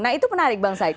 nah itu menarik bang syed